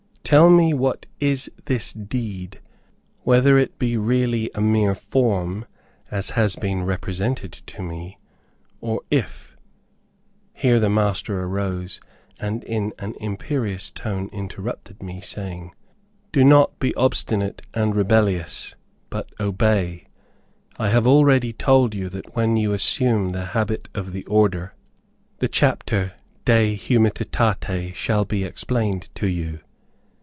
Tell me what is this deed whether it be really a mere form, as has been represented to me, or if" Here the master arose, and in an imperious tone interrupted me, saying, "Do not be obstinate and rebellions, but obey. I have already told you that when you assume the habit of the Order, the chapter 'de humititate' shall be explained to you.